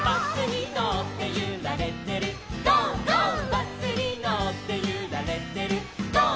「バスにのってゆられてるゴー！